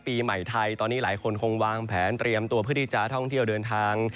ปีใหม่ไทยตอนนี้หลายคนคงวางแผนเตรียมตัวเพื่อที่จะท่องเที่ยวเดินทาง